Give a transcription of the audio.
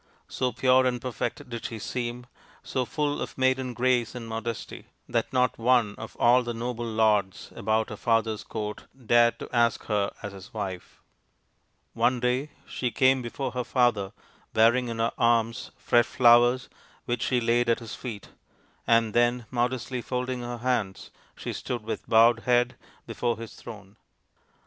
So pure and perfect did she seem, so full of maiden grace and modesty, that not one of all the noble lords about her father's court dared to ask her as his wife. 59 60 THE INDIAN STORY BOOK One day she came before her father bearing in her arms fresh flowers, which she laid at his feet ; and then modestly folding her hands she stood with bowed head before his throne.